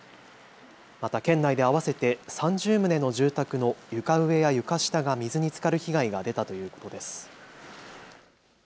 また県内で合わせて３０棟の住宅の床上や床下が水につかる被害が出たということです。